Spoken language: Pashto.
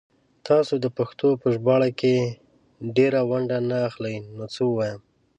تاسو دا پښتو په ژباړه کې ډيره ونډه نه اخلئ نو څه ووايم